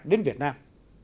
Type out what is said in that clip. đến việt nam